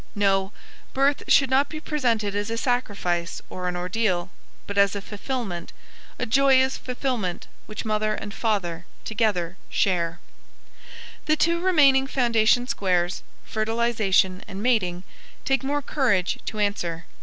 No, birth should not be presented as a sacrifice or an ordeal, but as a fulfillment, a joyous fulfillment which mother and father together share. The two remaining foundation squares, fertilization and mating, take more courage to answer.